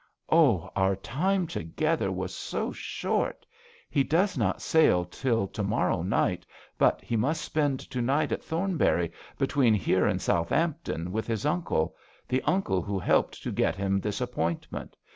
'* Oh, our time together was so short. He does not sail till to morrow night, but he must spend to night at Thornbury, between here and Southampton, with his uncle — the uncle who helped to get him this appoint ment.